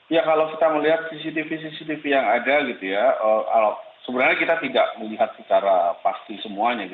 ya kalau kita melihat cctv cctv yang ada gitu ya sebenarnya kita tidak melihat secara pasti semuanya